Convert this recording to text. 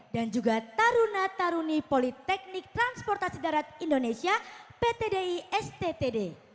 dan juga taruna taruni politeknik transportasi darat indonesia pt di sttd